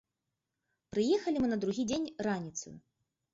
Прыехалі мы на другі дзень раніцаю.